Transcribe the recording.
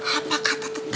apa kata tetangga ente